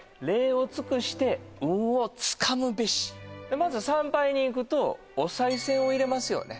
まず参拝に行くとお賽銭を入れますよね